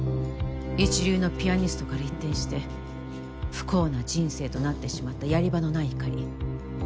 一流のピアニストから一転して不幸な人生となってしまったやり場のない怒り。